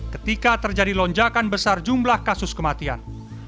ketika terjadi lonjakan besar jumlah kasus kematian